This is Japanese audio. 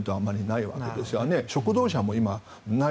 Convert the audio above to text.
食堂車も今ない。